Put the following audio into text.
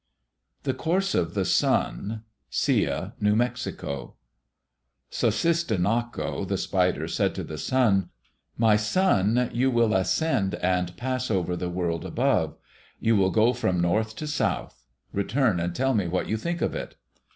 The Course of the Sun Sia (New Mexico) Sussistinnako, the spider, said to the sun, "My son, you will ascend and pass over the world above. You will go from north to south. Return and tell me what you think of it."